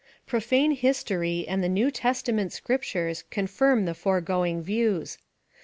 Profane history and the New Testament scrip tures confirm the foregoing views.